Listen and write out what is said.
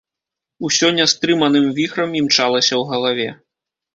Усё нястрыманым віхрам імчалася ў галаве.